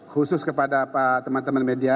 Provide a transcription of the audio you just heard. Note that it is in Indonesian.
khusus kepada teman teman media